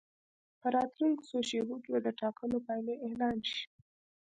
په راتلونکو څو شېبو کې به د ټاکنو پایلې اعلان شي.